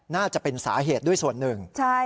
น่าจะเป็นสาเหตุด้วยส่วนหนึ่ง